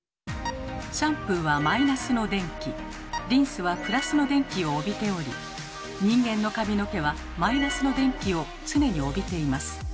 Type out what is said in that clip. シャンプーはマイナスの電気リンスはプラスの電気を帯びており人間の髪の毛はマイナスの電気を常に帯びています。